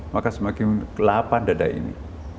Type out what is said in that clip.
maka semakin lapan dada ini